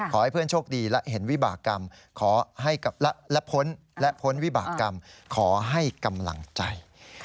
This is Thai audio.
ขอให้เพื่อนโชคดีและเห็นวิบากรรมขอให้และพ้นและพ้นวิบากรรมขอให้กำลังใจ